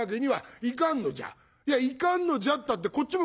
「いやいかんのじゃったってこっちも困るんだよ。